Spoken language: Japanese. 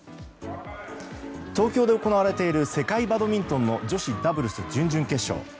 東京で行われている世界バドミントンの女子ダブルス準々決勝。